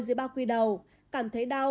dưới bao quy đầu cảm thấy đau